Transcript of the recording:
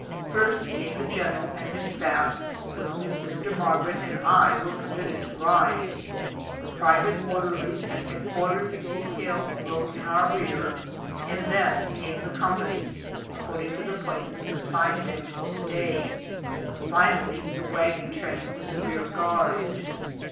First came the general and his staff, with whom sister Margaret and I were permitted to ride; the private orderlies and headquarters detail rode in our rear ; and then came the companies according to the places as signed them for the day ; finally the wagon train, with the rear guard.